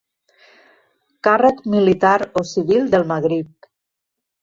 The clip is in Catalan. Càrrec militar o civil del Magrib.